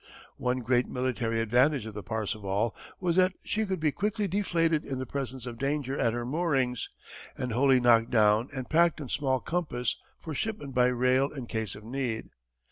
One great military advantage of the Parseval was that she could be quickly deflated in the presence of danger at her moorings, and wholly knocked down and packed in small compass for shipment by rail in case of need.